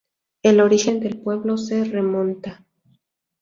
El origen del pueblo se remonta.